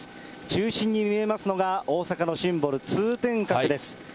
中心に見えますのが、大阪のシンボル、通天閣です。